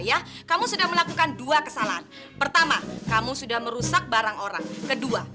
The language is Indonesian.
ya kamu sudah melakukan dua kesalahan pertama kamu sudah merusak barang orang kedua